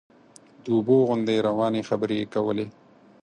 د اوبو غوندې روانې خبرې یې کولې.